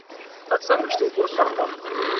たくさんの人を殺したのか。